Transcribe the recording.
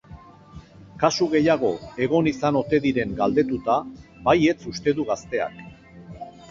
Kasu gehiago egon izan ote diren galdetuta, baietz uste du gazteak.